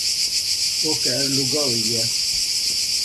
اہ کہھر لگا ہوئی گیا